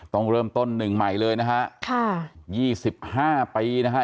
ต้องเริ่มต้นหนึ่งใหม่เลยนะฮะค่ะ๒๕ปีนะฮะ